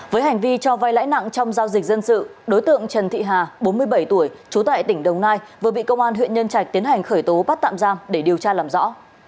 với hành vi cho vai lãi nặng trong giao dịch dân sự đối tượng trần thị hà bốn mươi bảy tuổi trú tại tỉnh đồng nai vừa bị công an huyện nhân trạch tiến hành khởi tố bắt tạm giam để điều tra làm rõ